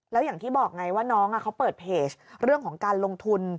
แล้วอย่างที่บอกไงว่าน้องเขาเปิดเพจเรื่องของการลงทุน